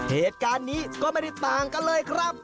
เหตุการณ์นี้ก็ไม่ได้ต่างกันเลยครับ